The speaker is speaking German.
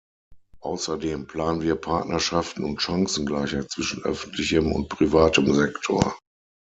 Außerdem planen wir Partnerschaften und Chancengleichheit zwischen öffentlichem und privatem Sektor.